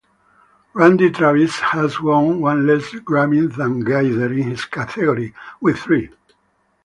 Randy Travis has won one less Grammy than Gaither in this category, with three.